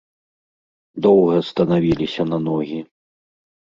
Доўга станавіліся на ногі.